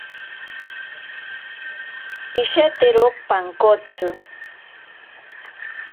Pishetero pankotsi.